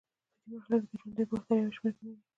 پدې مرحله کې د ژوندیو بکټریاوو شمېر کمیږي.